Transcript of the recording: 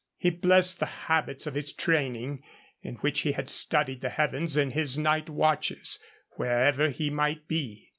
He blessed the habits of his training, in which he had studied the heavens in his night watches, wherever he might be.